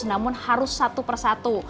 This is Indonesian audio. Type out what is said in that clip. namun harus satu per satu